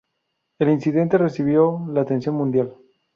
El incidente recibió la atención mundial.